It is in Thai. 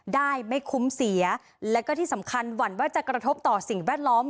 ได้ไม่คุ้มเสียแล้วก็ที่สำคัญหวั่นว่าจะกระทบต่อสิ่งแวดล้อม